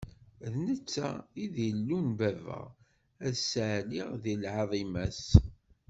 D netta i d Illu n baba, ad ssaɛliɣ di lɛaḍima-s.